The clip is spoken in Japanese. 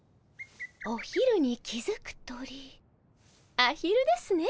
お昼に気付く鳥アヒルですね。